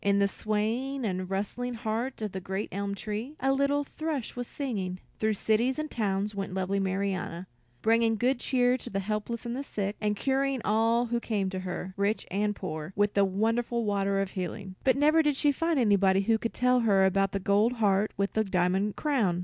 In the swaying, rustling heart of a great elm tree, a little thrush was singing. Through cities and towns went lovely Marianna, bringing good cheer to the helpless and the sick, and curing all who came to her, rich and poor, with the wonderful water of healing. But never did she find anybody who could tell her about the gold heart with the diamond crown.